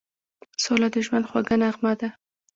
سوله د ژوند خوږه نغمه ده.